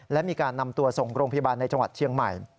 และมีการนำตัวส่งโรงพยาบาลในจังหวัดเชียงใหม่